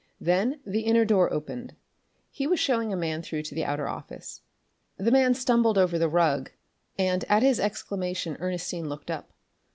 Then the inner door opened; he was showing a man through to the outer office. The man stumbled over the rug, and at his exclamation Ernestine looked up.